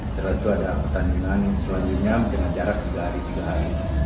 setelah itu ada pertandingan selanjutnya dengan jarak tiga hari tiga hari